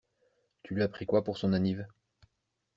Tu lui as pris quoi pour son anniv?